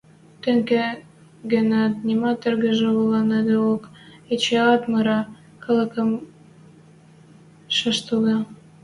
Тенге гӹнят, нима тыргыжланыдеок, эчеӓт мыра, халыкым ваштылта.